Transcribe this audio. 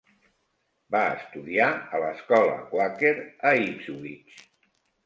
Va estudiar a l'escola Quaker a Ipswich.